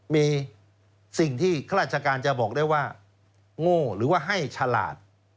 มีสิ่งที่ข้าราชการจะบอกได้ว่าโง่หรือว่าให้ฉลาด